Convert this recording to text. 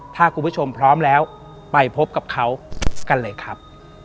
ถ้าคุณผู้ชมพร้อมแล้วไปพบกับเขากันเลยครับ